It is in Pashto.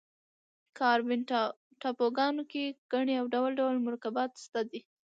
کارابین ټاپوګانو کې ګني او ډول ډول مرکبات شته دي.